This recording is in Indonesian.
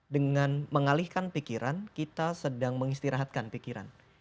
dengan mengalihkan pikiran kita sedang mengistirahatkan pikiran